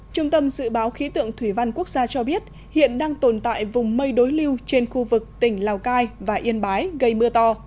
trung tâm dự báo khí tượng thủy văn quốc gia cho biết hiện đang tồn tại vùng mây đối lưu trên khu vực tỉnh lào cai và yên bái gây mưa to